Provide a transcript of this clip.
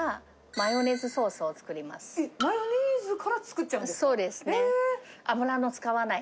マヨネーズから作っちゃうんそうですね。